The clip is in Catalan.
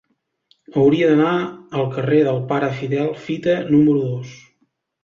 Hauria d'anar al carrer del Pare Fidel Fita número dos.